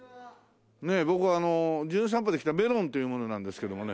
僕『じゅん散歩』で来たメロンっていう者なんですけどもね。